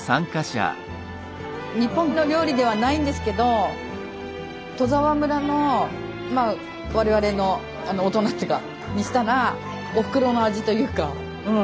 日本の料理ではないんですけど戸沢村のまあ我々の大人にしたらおふくろの味というかうん